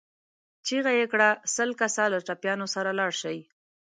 چيغه يې کړه! سل کسه له ټپيانو سره لاړ شئ.